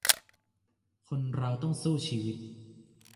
คนเราต้องสู้ชีวิต